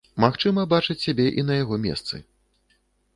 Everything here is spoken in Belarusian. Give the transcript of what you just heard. Магчыма, бачаць сябе і на яго месцы.